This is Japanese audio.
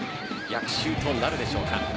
逆襲となるでしょうか。